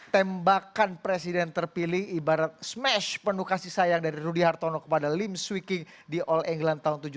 tembakan presiden terpilih ibarat smash penuh kasih sayang dari rudy hartono kepada lim swi king di all england tahun seribu sembilan ratus tujuh puluh